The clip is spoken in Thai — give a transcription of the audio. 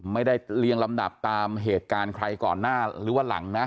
เรียงลำดับตามเหตุการณ์ใครก่อนหน้าหรือว่าหลังนะ